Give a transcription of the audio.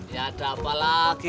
ya ada apa lagi